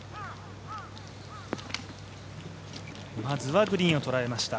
まずはグリーンを捉えました。